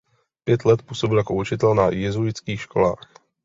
Pět let působil jako učitel na jezuitských školách.